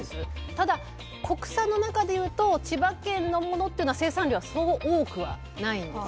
ただ国産の中でいうと千葉県のものっていうのは生産量はそう多くはないんですよね。